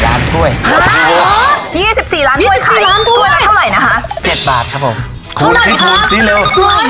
๒๔ล้านด้วยตัวละเท่าไหร่นะคะ๗บาทครับผมคูณคูณสินเร็ว๑๖๘ล้าน